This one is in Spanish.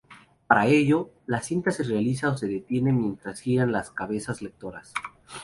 Para ello, la cinta se ralentiza o se detiene mientras giran las cabezas lectoras.